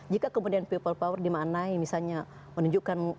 jika kemudian ppp dimaknai misalnya menunjukkan